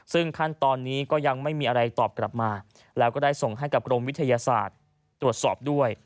ซึ่งขั้นตอนนี้ก็ยังไม่มีอะไรตอบกลับมาแล้วก็ได้ส่งให้กับกรมวิทยาศาสตร์ตรวจสอบด้วย